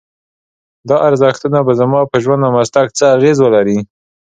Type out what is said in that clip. دا ارزښتونه به زما په ژوند او مسلک څه اغېز ولري؟